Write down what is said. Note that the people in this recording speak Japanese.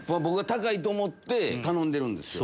高いと思って頼んでるんですよ。